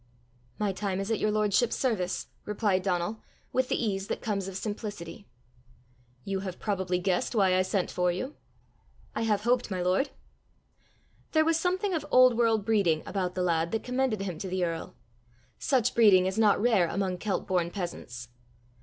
"My time is at your lordship's service," replied Donal, with the ease that comes of simplicity. "You have probably guessed why I sent for you?" "I have hoped, my lord." There was something of old world breeding about the lad that commended him to the earl. Such breeding is not rare among Celt born peasants.